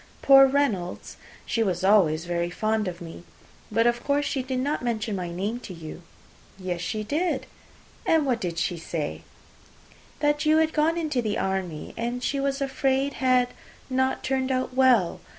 Poor Reynolds, she was always very fond of me. But of course she did not mention my name to you." "Yes, she did." "And what did she say?" "That you were gone into the army, and she was afraid had not turned out well.